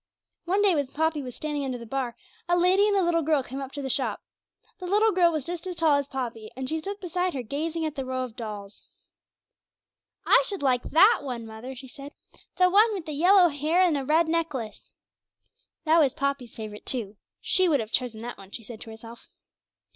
One day when Poppy was standing under the Bar, a lady and a little girl came up to the shop. The little girl was just as tall as Poppy, and she stood beside her gazing at the row of dolls. 'I should like that one, mother,' she said; 'the one with yellow hair and a red necklace.' That was Poppy's favourite too; she would have chosen that one, she said to herself.